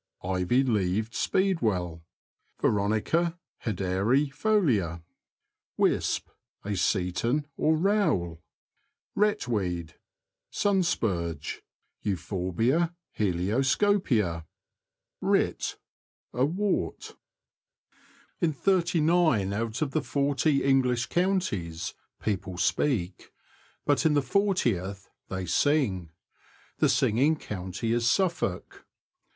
— Ivy leaved speedwell [Veronica hederi folia). Wisp. — A seton or row^el. Wret WEED. — Sun spurge {Euphorbia helioscopia). Writ. — A wart. In thirty nine out of the forty English counties people speak, but in the fortieth they sing : the singing county is Suffolk.